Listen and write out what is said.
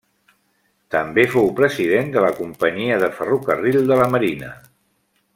També fou president de la Companyia de Ferrocarril de La Marina.